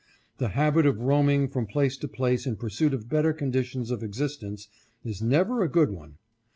The habit of roaming from place to place in pursuit of better condi tions of existence is never a good one.